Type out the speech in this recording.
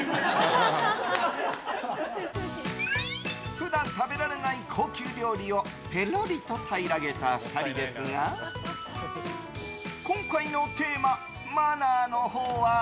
普段食べられない高級料理をぺろりと平らげた２人ですが今回のテーママナーのほうは。